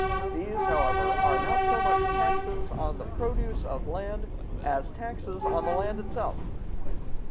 These, however, are not so much taxes on the produce of land as taxes on the land itself.